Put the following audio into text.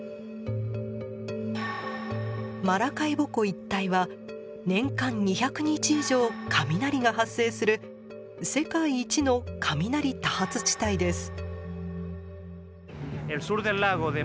マラカイボ湖一帯は年間２００日以上雷が発生する世界一の雷多発地帯です。